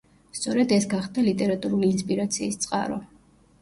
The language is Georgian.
სწორედ ეს გახდა ლიტერატურული ინსპირაციის წყარო.